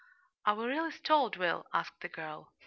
"Are we really stalled, Will?" asked the girl.